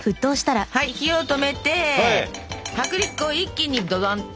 はい火を止めて薄力粉を一気にドドンと！